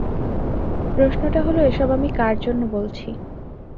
প্রশ্নটা হল, এসব আমি কার জন্য বলছি?